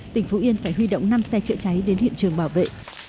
tỉnh phú yên phải huy động năm xe chữa cháy đến hiện trường bảo vệ